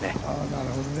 なるほどね。